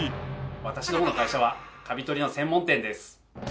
私どもの会社はカビ取りの専門店です。